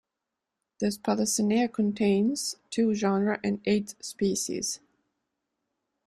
The Spalacinae contains two genera and eight species.